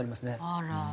あら。